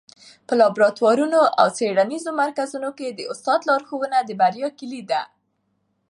په لابراتوارونو او څېړنیزو مرکزونو کي د استاد لارښوونه د بریا کيلي ده.